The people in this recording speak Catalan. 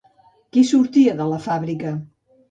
Qui sortia de la fàbrica?